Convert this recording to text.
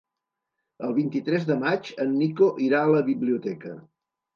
El vint-i-tres de maig en Nico irà a la biblioteca.